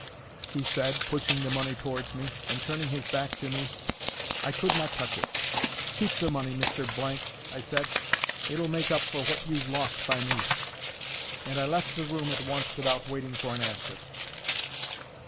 he said, pushing the money towards me, and turning his back to me. I could not touch it. 'Keep the money, Mr— ,' I said. 'It'll make up for what you've lost by me.' And I left the room at once without waiting for an answer.